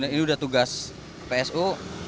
ini udah tugas ppsu